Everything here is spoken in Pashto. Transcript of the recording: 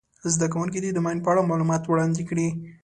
زده کوونکي دې د ماین په اړه معلومات وړاندي کړي.